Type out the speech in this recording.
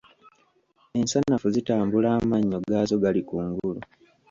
Ensanafu zitambula amannyo gaazo gali ku ngulu.